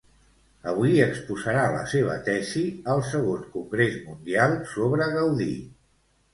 Avui exposarà la seva tesi al segon congrés mundial sobre Gaudí.